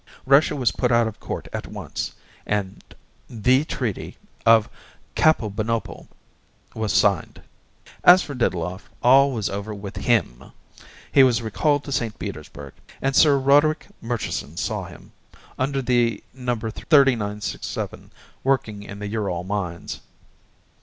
Russia was put out of court at once and THE TREATY of Kabobanople WAS SIGNED. As for Diddloff, all was over with HIM: he was recalled to St. Petersburg, and Sir Roderick Murchison saw him, under the No. 3967, working in the Ural mines.